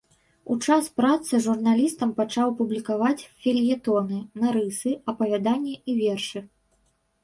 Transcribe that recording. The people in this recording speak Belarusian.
У час працы журналістам пачаў публікаваць фельетоны, нарысы, апавяданні і вершы.